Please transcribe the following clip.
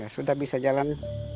sudah bisa jalan